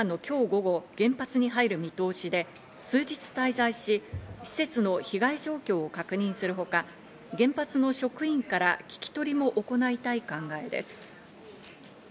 午後、原発に入る見通しで、数日滞在し、施設の被害状況を確認するほか、原発の職員から聞き取りも行いたい考えです。